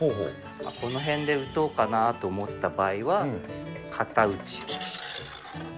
この辺で打とうかなと思った場合は、型打ち。